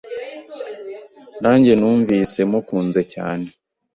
Najye numvise mukunze cyane